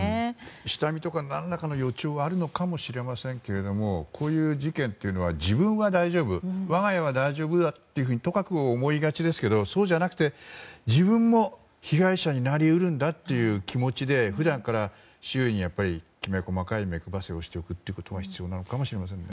下見とか何らかの予兆はあるのかもしれませんけれどもこういう事件っていうのは自分は大丈夫我が家は大丈夫だととかく思いがちですがそうじゃなくて、自分も被害者になり得るんだっていう気持ちで普段から周囲にきめ細かい目配せをしておくことが必要なのかもしれませんね。